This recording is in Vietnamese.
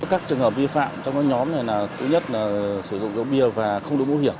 các trường hợp vi phạm trong các nhóm này là thứ nhất là sử dụng gấu bia và không đối mũ hiểm